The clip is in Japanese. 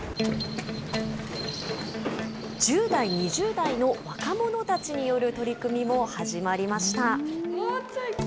１０代、２０代の若者たちによる取り組みも始まりました。